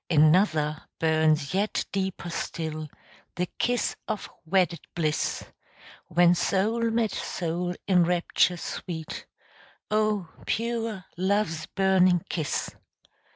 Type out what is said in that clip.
Another burns yet deeper still, The kiss of wedded bliss, When soul met soul in rapture sweet Oh, pure love's burning kiss!